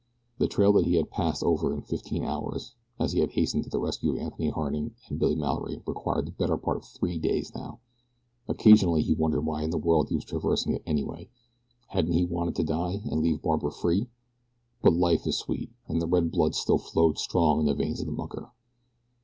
The trail that he had passed over in fifteen hours as he had hastened to the rescue of Anthony Harding and Billy Mallory required the better part of three days now. Occasionally he wondered why in the world he was traversing it anyway. Hadn't he wanted to die, and leave Barbara free? But life is sweet, and the red blood still flowed strong in the veins of the mucker.